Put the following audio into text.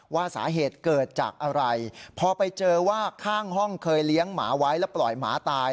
ว่าสาเหตุเกิดจากอะไรพอไปเจอว่าข้างห้องเคยเลี้ยงหมาไว้แล้วปล่อยหมาตาย